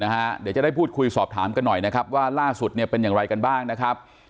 เดี๋ยวจะได้พูดคุยสอบถามกันหน่อยนะครับว่าล่าสุดเนี่ยเป็นอย่างไรกันบ้างนะครับ